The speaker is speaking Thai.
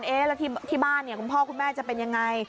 แล้วที่บ้านคุณพ่อคุณแม่จะเป็นยังไง